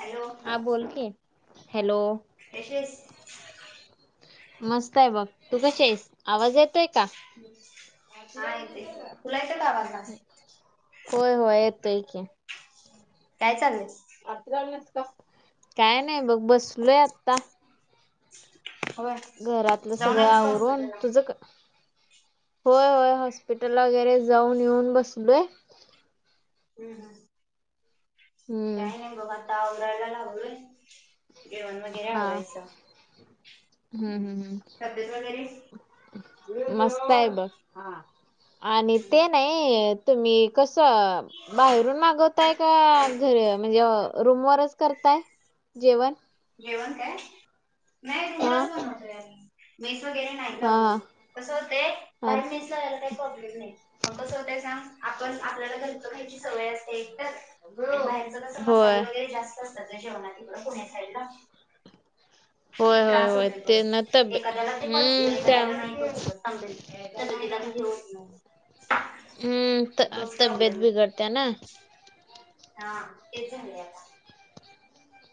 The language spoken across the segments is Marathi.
हॅलो हा बोल की, हॅलो! कशीएस? मस्त आहे बघ, तू कशी आहेस? आवाज येतोय का? हा येतय की, तुला येते का आवाज माझा? होय होय येतोय की. काय चाललंय? काय नाही बघ बसलोय आता. होय घरातलं जाऊन सगळं आलीस का आवरून. हॉस्पिटलला तुझं का? होय हो. हॉस्पिटलला वगैरे जाऊन येऊन बसलो. हम् हम. हम्म काय नाही बघ आता आवरायला लावलय. जेवण वगैरे हा आवरायच. हम्म हं. हम्म तब्येत वगैरे- मस्त आहे बघ. आणि ते नाही- अ तुम्ही कस- बाहेरून मागवताय का? घर म्हणजे रूमवरच करताय? जेवण. जेवण काय? नाही हा रूमलाच बनवतेय. मेस वगैरे- नाही हा लावली. कस होतय हा बाहेर [unintelligible] बरोबर नाही. मग कस होतय सांग? आपण आपल्याला घर च खायची सवय असते एक तर- आणि बाहेरच कस मसाले होय वगैरे जास्त असतात. जेवणात तिकडं पुण्या साईडला. मग होय ते होय त्रास होय. होतोय थोडं ते ना तब्ब्येत, एखाद्याला ते हम्म. त्या- तर तिला त हे होत नाही. हम्म. तोच तब्ब्येत प्रॉब्लेम आहे बिघडते ना? हा. तेच झालय.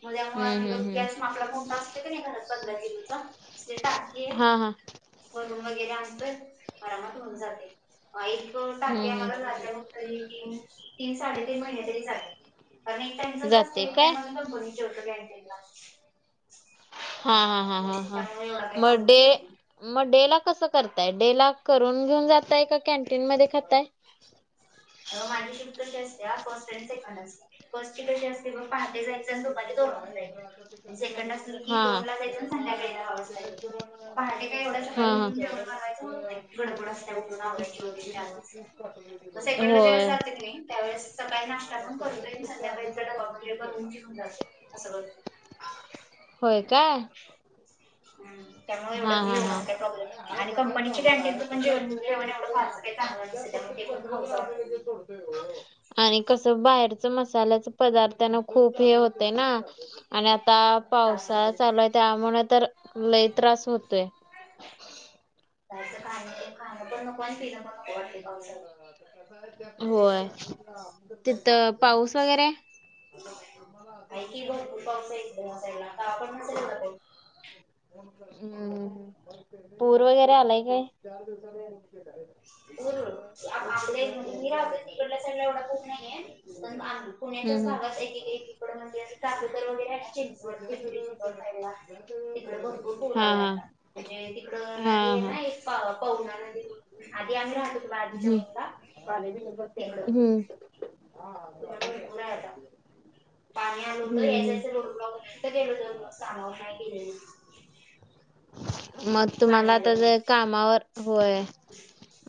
म हम्म त्यामुळे हम्म गॅस हम्म आपला कोणता असते का नाही? घरात पंधरा किलोचा स्टे हा हा [unintelligible] वरून वगैरे आणतोय. आरामात होऊन जातय. एक हम्म टाकी आम्हाला हम्म जागेवर तरी तीन तीन साडेतीन महिने तरी जाते. कारण एक टाइमचच असतय. जाते एक काय टाइमाला कंपनी त जेवतो कँटीनला. हा. हा. हा. हा. हा. त्यामुळे एवढा काही म प्रॉब्लेम डे येत नाही - मग डे ला कसं करताय? डे ला करून घेऊन जाताय का कॅन्टीन मध्ये खाताय? माझी शिफ्ट कशी असतेया? फर्स्ट आणि सेकंड असतेया. फर्स्ट ची कशी असते म पहाटे जायच- आणि दुपारी दोन वाजता येते. सेकंड असली की हा दोन ला जायचं संध्याकाळी दहा वाजता यायच. पहाटे काही एवढ्या सकाळी हा हा उठून जेवण बनवायचं होत नाही. गडबड असतेया उठून आवरायचं- सेकंड ला ज्या वेळेस होय जाते की नाई त्यावेळेस सकाळी नाश्ता पण करतोय आणि संध्याकाळचा डबा पण बनवून घेऊन जाते. अस होय? होय का? हम. त्यामुळे एवढं काही हा हा [unintelligible] प्रॉब्लेम नाही. आणि कंपनी [unintelligible] पण जे जेवण- एवढं फार काही चांगल नसत. त्यामुळंते पण खाऊस वाटत नाही. हो हो. आणि कस? बाहेरच मसाल्याच पदार्थना खूप हे होतंय ना? आणि आता त्रास पावसाळा होतोय. चालूय तर [unintelligible] तर लय त्रास होतोय. [unintelligible] खाणं पण नको आणि पिण पण नको वाटतय पावसाळ्यात. होय. तिथ पाऊस वगैरे? आहे की. भरपूर पाऊस ए इकडं. [unintelligible] हम्म. पूर वगैरे आलाय काय? हो. आपल्या इकडं नेहमी राहतो. तिकडल्या साईडला एवढा खूप नाहीये. पण आम् पुण्याच्याच हम्म भागात हम्म एक एक एकीकडे म्हणजे [unintelligible] चिंचवड, पिंपरी चिंचवड साईड ला तिकडे भरपूर पूर हा आलाए. हा आता म्हणजे तिकड हा नदी आहे हा ना एक? पवना नदी [unintelligible] आधी आम्ही राहायचो ना आधीच्या हम्म बाजुला तिकड. हम्म हम्म [unintelligible] भरपूरए आता. पाणी हम्म आलं होत [unintelligible] मग पाणी तुम्हाला आता आलं मग जर कामावर- होय.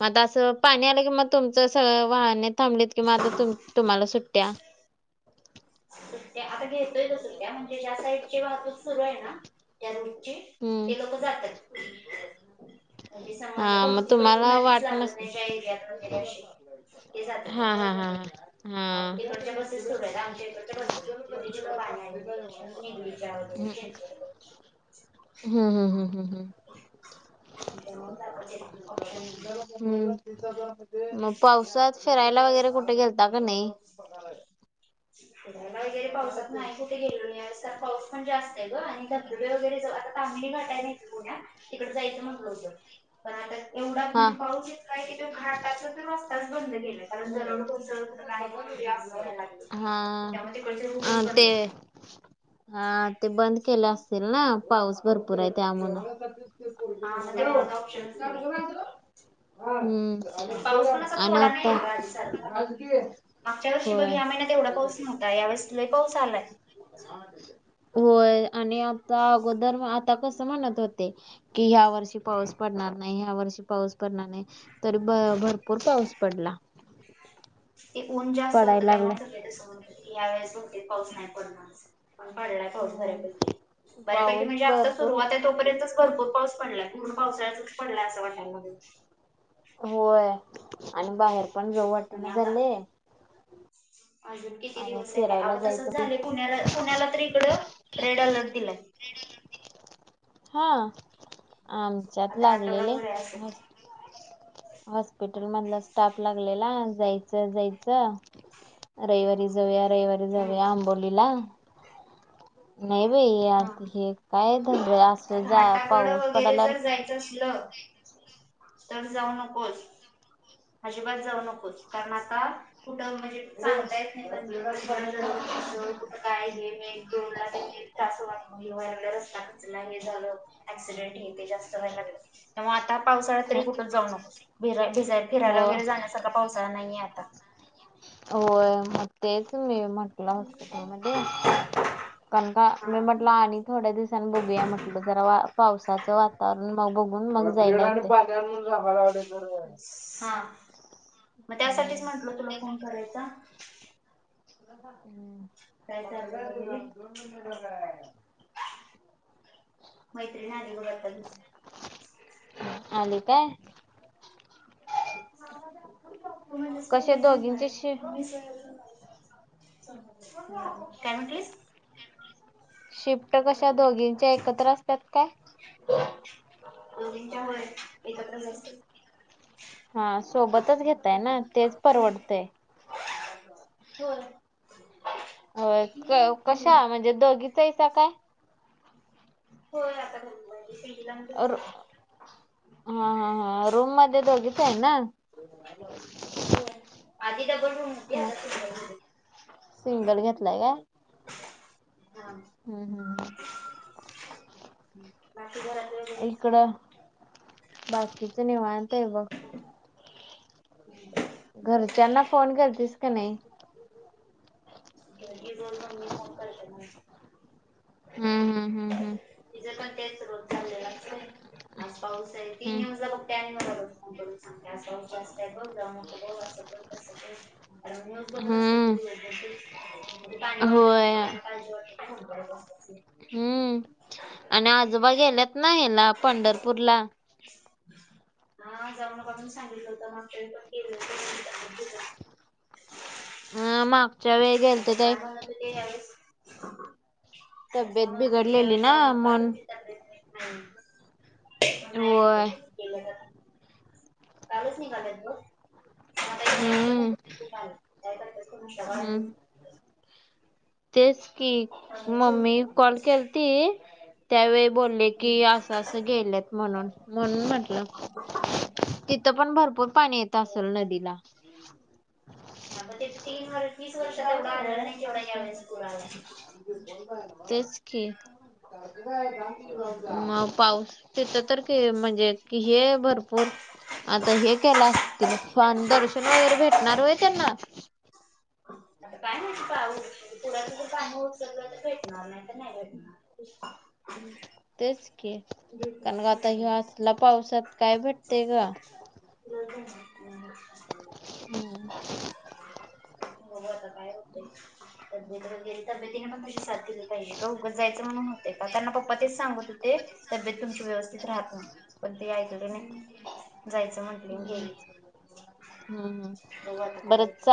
मग असं पाणी आलं की मग तुमचं सगळ वाहने थांबलीत कि मग आता तुम्हाला सुट्ट्या. त्या आता घेतोय असो त्या म्हणजे ज्या साईडची वाहतूक सुरू आहे ना त्या रोडची हम्म. म्हणजे समाज हा बघ मग तिकड तुम्हाला नदीच वाट लागत नस नाही ज एरियात वगैरे असे ते हा जातात हा हा. हा इकडच्या बसेस सुरू आहेत आमच्या इकडच्या बंद आहेत म्हणजे जिकडे पाणी आले निगडीच्या हम् [inaudible] [inaudible] वगैरे [inaudible] हम्म मग पावसात फिरायला वगैरे कुठे गेलता का नाही? क वगैरे पावसात नाही कुठे गेलो आज पाऊस पण जास्त आहे ग आणि बर वगैरे आता तांबली घटा नाही पुण्यात तिकड जायचं म्हटलं होतं. पण आता एवढाच हा म्हणजे पाऊसच काय की त घहा तासच तर रस्ताच बंद केेलं. कारण जर नाही म्हणूनी असं व्हायला लागले. हा अ ते हा ते बंद केले असतील ना पाऊस भरपूर आहे त्यामुळ मग हा मग त्यामुळे आता ऑप्शनच नाही हम्म आणि पाऊस पण असा अन थोडा आता नाहीये ग मागच्या वर्षी बघ होय या महिन्यात एवढा पाऊस नव्हता या वेळेस लय पाऊस आलाय. होय आणि आता अगोदर आता कस म्हणत होते की ह्या वर्षी पाऊस पडणार नाही. ह्या वर्षी पाऊस पडणार नाही तरी ब भरपूर पाऊस पडला. ते ऊन जास्त होतं पडायला त्यामुळे लागलाय सगळे तस या वेळेस बहुतेक पाऊस नाही पडणार. पण पडलाय पात हम्म बऱ्यापैकी बऱेपैकी पाऊस म्हणजे आता भरपूर सुरुवात तोपर्यंतच भरपूर पाऊस पडलाय म्हून पावसाळ्याचाच पडलाय असं वाट्यांमध्ये होय आणि बाहेर पण जऊ वाटे आणि ना आता झालेय. अजून किती दिवस आहे काय फिरायला आगं जायचं तसंच की झाले पुण्याला पुण्याला तर इकड रेड अलर्ट दिलाय. हा आमच्यात आता लागलेले आठवडाभर आहे असं. हॉस्पिटल मधला स्टाफ लागलेला जायचं जायचं. रविवारी जाऊया रविवारी जाऊया हम्म. आंबोलीला नाही बाई आता हे काय अस घाटाकड वगैरे जर जायचं असल तर जाऊ नकोस. अजिबात जाऊ नको कारण आता कुठं म्हणजे सांगता येत नाही म्हणज त ज काय हे मे रोड ला त्रास वग रस्त हे झालं क्सिडेंट येते जास्त व्हाय लागलं. मग आता पावसाळा हो तरी फुटून जाऊ नको भिरा भिजला हो फिरायला वगैरे जाण्यासारखा पावसाळा नाहीये आता हो. तेच मी म्हटलं हॉस्पिटलमध्येध्ये कनका हा मी म्हटलं आ थोड्या दिवसांनी बघूया म्हटलं जरा पावसाचं वातावरण मग बघून मग जायला. त्यां [unintelligible] हा मग त्यासाठीच हम्म म्हटल तुला फोन करायचा. हम्. काय चाललंय वगैरे [unintelligible] डलं [inaudible] मैत्रिणी आली बघ आत्ताच. आले काय? तू म्हणलीस कशे बिर्याणी आणणार दोघींचे आहे शि मी नाही [unintelligible] काय म्हटलीस? शिफ्ट कशा दोघींच्या एकत्र असतात काय? मामीच्या होय एकत्रच असतात. हा सोबतच घेेताय ना तेच परवडतेय. होय. हो कशा म्हणजे दोघीचा इसा काय? होय आता हो [unintelligible] अर हा हा हा रूम मध्ये दोघीच आहे ना? होय आधी डबल रूम होती हा आता सिंगल रूम आहे. सिंगल घेतलाय काय आहे. हम्म हम्म बाकी घरातले वगैरे इकडं बाकीच निवांत आहे बघ. घरच्यांना फोन करतीस का नाही? घर बोल म मी फोन करते म्ह [unintelligible] हम्म हम्म हम्म तिच करताय रोज चाललेलं असते. आज पाऊस आहे ती हम्म न्यूजला बघते आणि मला रोज फोन करून सांगते आज पाऊस जास्त आहे बघ जाऊ न बघ असं कर तसं कर आणि न्यूज हम्म बघत असते ग हम्म दिवसभर म्हणजे पाणी वाढलंजी होय वा [unintelligible] हम्म आणि आजोबा गेलेत ना हयाला पंढरपूरला हम् हा जाऊ नका म्हणून सांगितलं होतं मागच्या वेळेस पण गेले होते तब्येत बिघडली अं मागच्या वेळे गेल ते [unintelligible] ह तब्येत बिघडलेली ना नका म्हण तुमची तब्येत नीट नाही तरी पण नाही होय ऐकत. केले कासी म्हतो [unintelligible] हम्म हम्म [unintelligible] तेच की बनवायचं मम्मी होतं. कॉल केलती? त्यावेळी बोलले कि हम्म असं असं गेलेत म्हणून म्हणून म्हटलं. ह तिथं पण भरपूर पाणी येतं असेल नदीला? आ ती तीस वर्ष आ नाही यावे [unintelligible] तेच की मग पाऊस तिथं तर ते म्हणजे कि हे भरपूर आता हे केलं असतील फान दर्शन वगैरे भेटणार होय त्यांना? आता काय माहिती पुराचं जर पाणी उचललं तर भेटणार नाही तर नाही भेटणार. ते तेच कि काण ग यो असल्या पावसात काय भेटते ग. र हम. बघू आता काय होतंय. तब्येत गेली तब्यतीने पण तशी साथ दिली पाहिजे, का उगच जायचं म्हणून होते का? त्यांना पप्पा तेच सांगत होते तब्येत तुमची व्यवस्थित राहतं, पण ते ऐकले नाही. जायचं म्हंटले आणि गेले, हम्म बघू आता काय होतंय.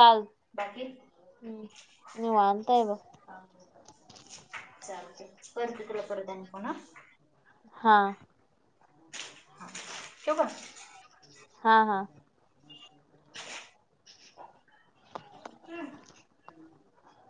बाकी? हम्म, निवांत हाय बघ. [unintelligible] जाऊदे करते तुला परत आणि फोन हा. हां. ठेवू का? हा हा. [unintelligible]